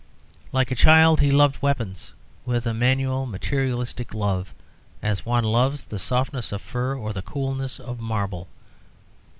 Like a child, he loved weapons with a manual materialistic love, as one loves the softness of fur or the coolness of marble.